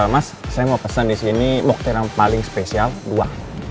mas saya mau pesen di sini mukhtel yang paling spesial uang